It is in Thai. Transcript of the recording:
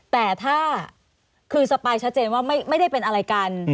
แต่ถ้าคือสปายชัดเจนว่าไม่ได้เป็นอะไรกัน